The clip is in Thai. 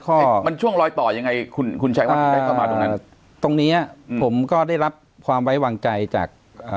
ข้อมันช่วงรอยต่อยังไงคุณคุณชายวัดตรงนี้ผมก็ได้รับความไว้วางใจจาก